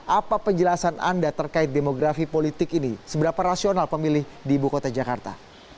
apa penjelasan anda terkait demografi politik ini seberapa rasional pemilih di ibu kota jakarta